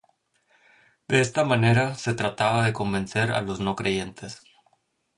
De esta manera se trataba de convencer a los no creyentes.